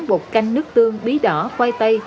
bột canh nước tương bí đỏ khoai tây